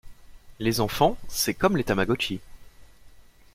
Les enfants c'est comme les tamagotchi.